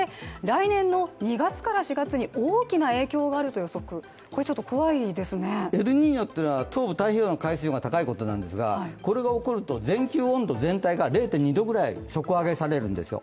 こうした気温の上昇、温暖化についてＮＡＳＡはエルニーニョっていうのは東部太平洋の海水温が高いということなんですが、これが起こると全球温度全体が０．２度ぐらい底上げされるんですよ。